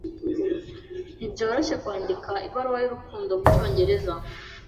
Ntibyoroshye kwandika ibaruwa y'urukundo mucyongereza.